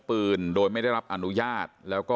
ปืนโดยไม่ได้รับอนุญาตแล้วก็